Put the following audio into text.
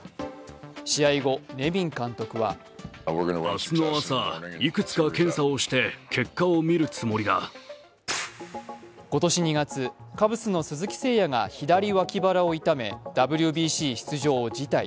試合後、ネビン監督は今年２月、カブスの鈴木誠也が左脇腹を痛め、ＷＢＣ出場を辞退。